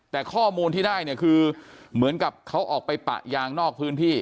แต่ข้อมูลที่ได้เนี่ยคือเหมือนกับเขาออกไปปะยางนอกพื้นที่